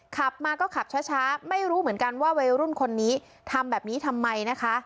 ขับมาก็ขับช้าไม่รู้เหมือนกันว่าวัยรุ่นคนนี้ทำแบบนี้ทำไมนะคะ